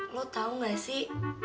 lo tau gak sih